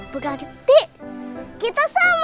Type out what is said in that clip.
berarti kita sama dong